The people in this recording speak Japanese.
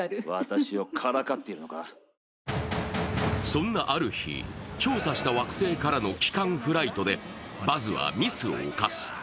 そんなある日、調査した惑星からの帰還フライトでバズはミスをおかす。